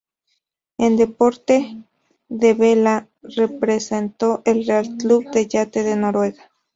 En deporte de vela representó al Real Club de Yate de Noruega.